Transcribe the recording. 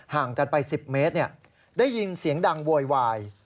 ห่างกันไป๑๐เมตรได้ยินเสียงดังโวยวาย